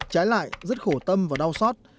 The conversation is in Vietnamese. trái lại rất khổ tâm và đau xót